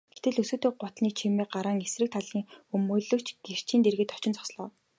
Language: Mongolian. Гэтэл өсгийтэй гутлын чимээ гаран эсрэг талын өмгөөлөгч гэрчийн дэргэд очин зогслоо.